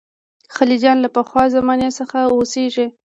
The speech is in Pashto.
خلجیان له پخوا زمانې څخه اوسېږي.